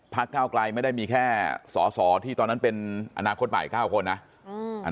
พักเก้าไกลไม่ได้มีแค่สอสอที่ตอนนั้นเป็นอาณาคตใหม่เก้าคนนะอืม